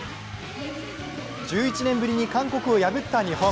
１１年ぶりに韓国を破った日本。